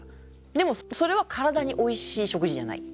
でもそれは体においしい食事じゃない。